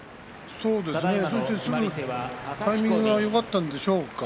すぐタイミングがよかったんでしょうか。